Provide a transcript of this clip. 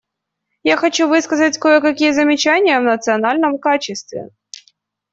Я хочу высказать кое-какие замечания в национальном качестве.